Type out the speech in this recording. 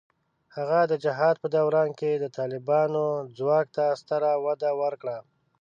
هغه د جهاد په دوران کې د طالبانو ځواک ته ستره وده ورکړه.